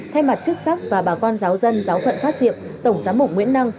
thay mặt chức sắc và bà con giáo dân giáo phận phát diệp tổng giám mục nguyễn năng